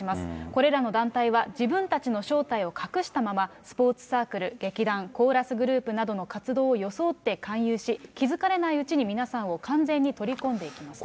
これらの団体は、自分たちの正体を隠したまま、スポーツサークル、劇団、コーラスグループなどの活動を装って勧誘し、気付かれないうちに皆さんを完全に取り込んでいきます。